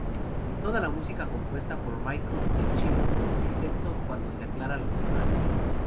Toda la música compuesta por Michael Giacchino, excepto cuando se aclara lo contrario.